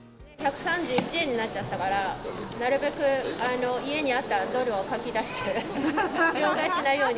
１３１円になっちゃったから、なるべく家にあったドルをかき出して。